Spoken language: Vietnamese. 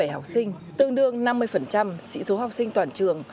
một trăm năm mươi bảy học sinh tương đương năm mươi sĩ số học sinh toàn trường